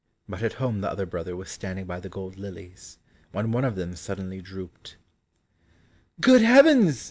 But at home the other brother was standing by the gold lilies, when one of them suddenly drooped. "Good heavens!"